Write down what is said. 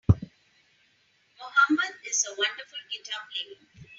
Mohammed is a wonderful guitar player.